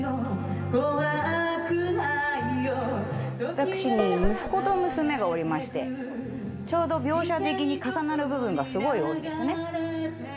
私に息子と娘がおりましてちょうど描写的に重なる部分がすごい多いんですね。